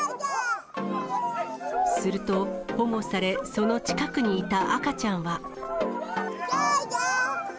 すると、保護され、その近くにいた赤ちゃんは。